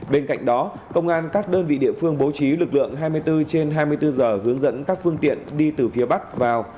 bên cạnh đó công an các đơn vị địa phương bố trí lực lượng hai mươi bốn trên hai mươi bốn giờ hướng dẫn các phương tiện đi từ phía bắc vào